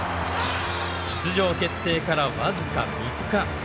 出場決定から僅か３日。